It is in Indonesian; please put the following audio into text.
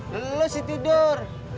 leluhur sih tidur